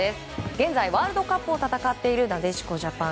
現在ワールドカップを戦っているなでしこジャパン。